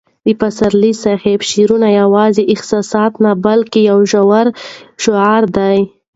د پسرلي صاحب شاعري یوازې احساسات نه بلکې یو ژور شعور دی.